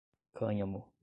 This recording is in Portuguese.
cânhamo